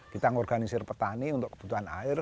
kita mengorganisir petani untuk kebutuhan air